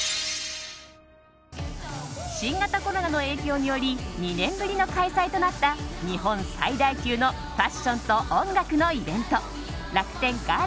新型コロナの影響により２年ぶりの開催となった日本最大級のファッションと音楽のイベント